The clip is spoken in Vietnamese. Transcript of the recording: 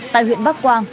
tại huyện bắc quang